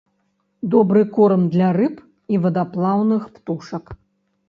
Добры корм для рыб і вадаплаўных птушак.